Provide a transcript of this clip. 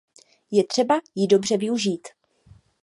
Je třeba ji dobře využít.